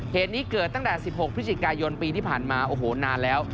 เหตุนี้เกิดตั้งแต่๑๖พฤศจิกายนปีที่ผ่านมาโอ้โหนานแล้ว